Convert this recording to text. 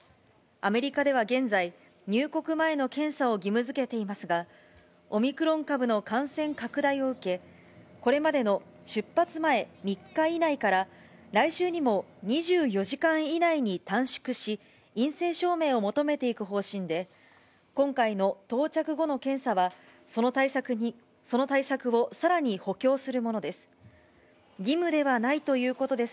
アメリカでは現在、入国前の検査を義務づけていますが、オミクロン株の感染拡大を受け、これまでの出発前３日以内から、来週にも２４時間以内に短縮し、陰性証明を求めていく方針で、今回の到着後の検査は、その対策をさらに補強するものです。